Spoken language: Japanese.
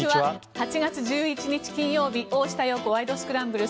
８月１１日、金曜日「大下容子ワイド！スクランブル」。